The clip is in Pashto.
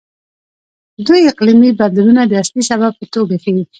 دوی اقلیمي بدلونونه د اصلي سبب په توګه ښيي.